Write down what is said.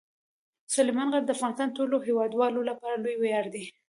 سلیمان غر د افغانستان د ټولو هیوادوالو لپاره لوی ویاړ دی.